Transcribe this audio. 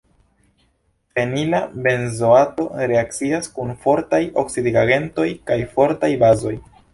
Fenila benzoato reakcias kun fortaj oksidigagentoj kaj fortaj bazoj.